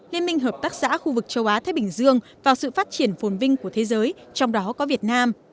liên minh hợp tác xã khu vực châu á thái bình dương vào sự phát triển phồn vinh của thế giới trong đó có việt nam